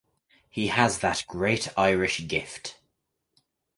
He has that great Irish gift.